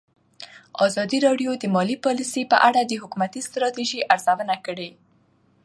ازادي راډیو د مالي پالیسي په اړه د حکومتي ستراتیژۍ ارزونه کړې.